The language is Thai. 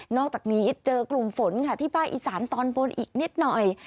อกจากนี้เจอกลุ่มฝนค่ะที่ภาคอีสานตอนบนอีกนิดหน่อย